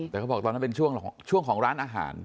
แต่เขาบอกตอนนั้นเป็นช่วงของร้านอาหาร